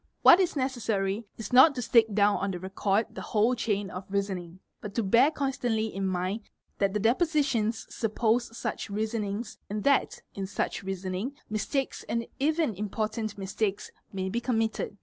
What is necessary is not to stick down on the record the whole chain of reasoning, but to bear constantly in mind that the depo sitions suppose such reasonings and that, in such reasoning, mistakes and even important mistakes may be committed.